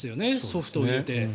ソフトを入れて。